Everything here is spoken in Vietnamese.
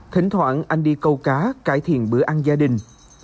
thỉnh thoảng anh đi câu cá cải thiện bữa ăn gia đình